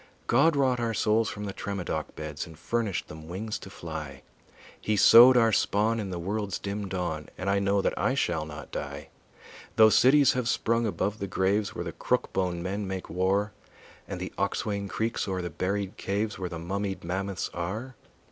God wrought our souls from the Tremadoc beds And furnished them wings to fly; He sowed our spawn in the world's dim dawn, And I know that I shall not die, Though cities have sprung above the graves Where the crook bone men make war And the oxwain creaks o'er the buried caves Where the mummied mammoths are.